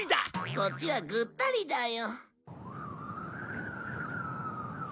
こっちはぐったりだよ。